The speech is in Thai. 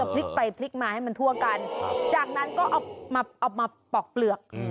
พลิกไปพลิกมาให้มันทั่วกันจากนั้นก็เอามาปอกเปลือก